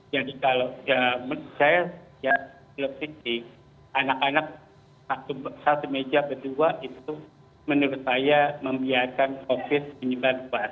jadi kalau saya lebih di anak anak satu meja berdua itu menurut saya membiarkan covid sembilan belas